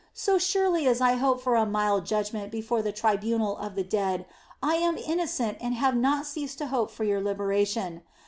So surely as I hope for a mild judgment before the tribunal of the dead, I am innocent and have not ceased to hope for your liberation.